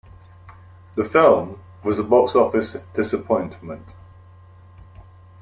The film was a box office disappointment.